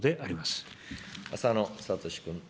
浅野哲君。